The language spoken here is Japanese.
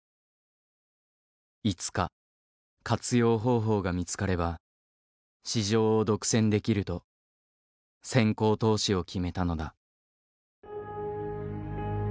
いつか活用方法が見つかれば市場を独占できると先行投資を決めたのだ。